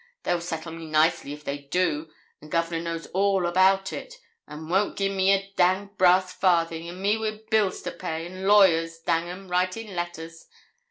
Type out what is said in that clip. They'll settle me nicely if they do; and Governor knows all about it, and won't gi'e me a danged brass farthin', an' me wi' bills to pay, an' lawyers dang 'em writing letters.